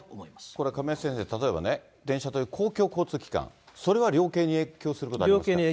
これ、亀井先生、例えばね、電車って公共交通機関、それは量刑に影響することはありますか。